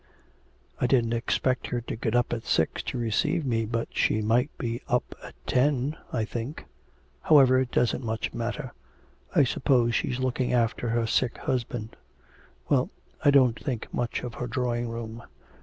'I didn't expect her to get up at six to receive me, but she might be up at ten, I think. However, it doesn't much matter. I suppose she's looking after her sick husband. ... Well, I don't think much of her drawing room.